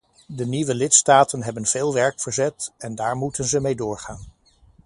De nieuwe lidstaten hebben veel werk verzet, en daar moeten ze mee doorgaan.